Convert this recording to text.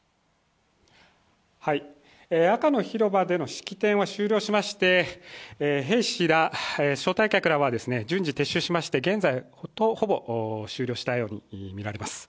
赤の広場での式典を終了しまして兵士ら招待客らは順次、撤収しまして現在ほぼ終了したようにみられます。